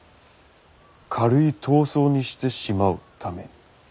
軽い痘瘡にしてしまうために。